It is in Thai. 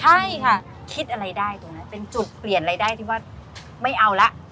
ใช่ค่ะคิดอะไรได้ตรงนั้นเป็นจุดเปลี่ยนรายได้ที่ว่าไม่เอาละ